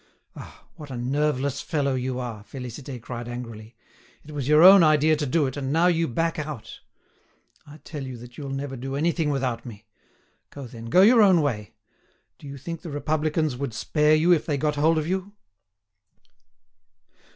"Ah! what a nerveless fellow you are!" Félicité cried angrily. "It was your own idea to do it, and now you back out! I tell you that you'll never do anything without me! Go then, go your own way. Do you think the Republicans would spare you if they got hold of you?"